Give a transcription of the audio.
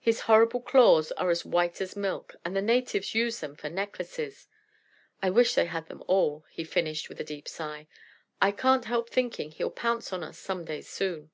His horrible claws are as white as milk, and the natives use them for necklaces. I wish they had them all," he finished with a deep sigh. "I can't help thinking he'll pounce on us some day soon."